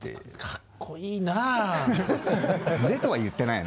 かっこいいなあ。